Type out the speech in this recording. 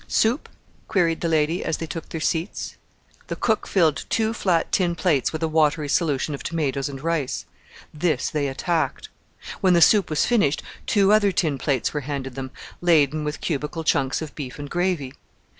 "Soup?" queried the lady as they took their seats. The cook filled two flat tin plates with a watery solution of tomatoes and rice. This they attacked. When the soup was finished two other tin plates were handed them, laden with cubical chunks of beef and gravy.